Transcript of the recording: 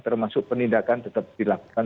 termasuk penindakan tetap dilakukan